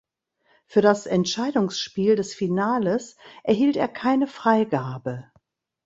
Für das Entscheidungsspiel des Finales erhielt er keine Freigabe.